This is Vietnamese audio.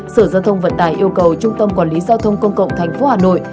sở giao thông vận tải yêu cầu trung tâm quản lý giao thông công cộng thành phố hà nội